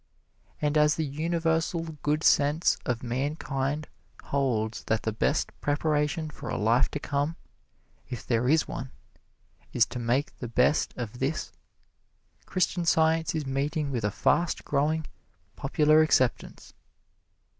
And as the universal good sense of mankind holds that the best preparation for a life to come, if there is one, is to make the best of this, Christian Science is meeting with a fast growing popular acceptance.